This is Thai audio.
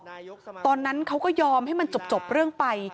ไม่รู้กฎหมายหรอกตอนนั้นเขาก็ยอมให้มันจบจบเรื่องไป